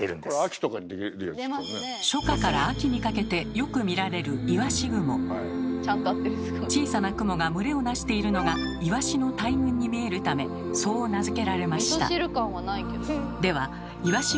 初夏から秋にかけてよく見られる小さな雲が群れを成しているのがいわしの大群に見えるためそう名付けられました。